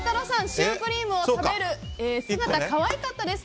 シュークリームを食べる姿可愛かったです。